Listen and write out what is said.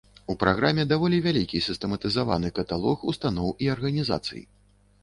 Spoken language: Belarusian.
У праграме даволі вялікі сістэматызаваны каталог устаноў і арганізацый.